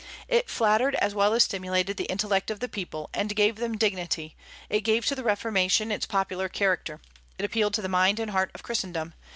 It flattered as well as stimulated the intellect of the people, and gave them dignity; it gave to the Reformation its popular character; it appealed to the mind and heart of Christendom.